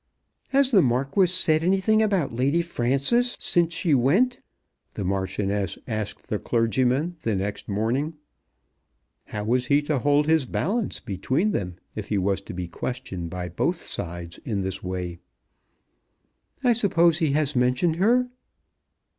"Has the Marquis said anything about Lady Frances since she went?" the Marchioness asked the clergyman the next morning. How was he to hold his balance between them if he was to be questioned by both sides in this way? "I suppose he has mentioned her?"